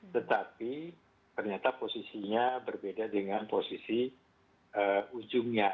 tetapi ternyata posisinya berbeda dengan posisi ujungnya